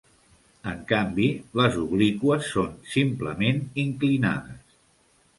En canvi, les obliqües són "simplement" inclinades.